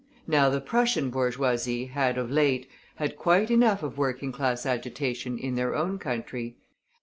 Now the Prussian bourgeoisie had, of late, had quite enough of working class agitation in their own country.